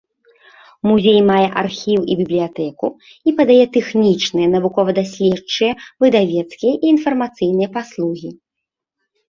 Музей мае архіў і бібліятэку і падае тэхнічныя, навукова-даследчыя, выдавецкія і інфармацыйныя паслугі.